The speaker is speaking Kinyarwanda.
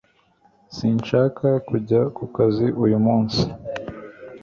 Sinshaka kujya ku kazi uyu munsi